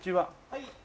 はい。